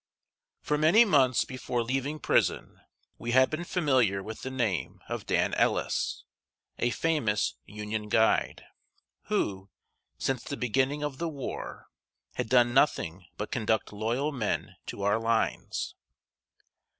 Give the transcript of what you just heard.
] For many months before leaving prison, we had been familiar with the name of DAN ELLIS a famous Union guide, who, since the beginning of the war, had done nothing but conduct loyal men to our lines.